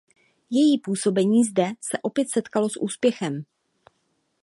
Její působení zde se opět setkalo s úspěchem.